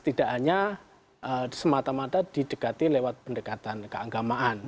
tidak hanya semata mata didekati lewat pendekatan keagamaan